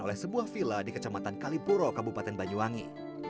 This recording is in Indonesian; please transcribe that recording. oleh sebuah villa di kecamatan kalipuro kabupaten banyuwangi